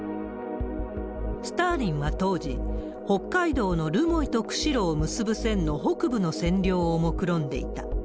スターリンは当時、北海道の留萌と釧路を結ぶ線の北部の占領をもくろんでいた。